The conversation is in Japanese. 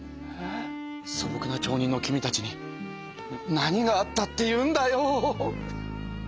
そぼくな町人の君たちに何があったっていうんだよ！